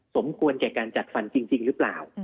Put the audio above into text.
สมควรแก่การจัดฟันจริงหรือเปล่า